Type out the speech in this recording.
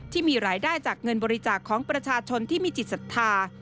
ที่มีรายได้จากเงินบริจาคของประชาชนที่มีจิตศรัทธา